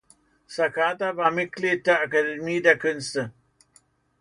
Sakata war Mitglied der Akademie der Künste.